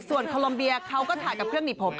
ส่วนโคลมเบียเขาก็ถ่ายกับเครื่องหนีบผม